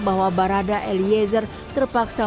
bahwa barada eliezer terpaksa